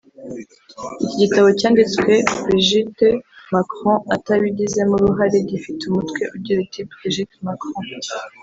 Iki gitabo cyanditswe Brigitte Macron atabigizemo uruhare gifite umutwe ugira uti “Brigitte Macron